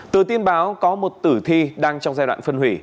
từ tin báo có một tử thi đang trong giai đoạn phân hủy